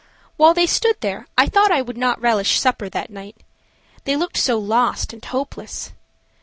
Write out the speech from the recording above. While they stood there I thought I would not relish supper that night. They looked so lost and hopeless.